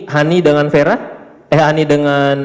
hani dengan vera eh hani dengan